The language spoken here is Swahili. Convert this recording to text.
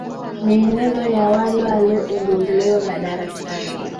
mienendo ya wale walioondolewa madarakani